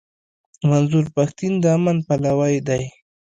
منظور پښتين د امن پلوی دی.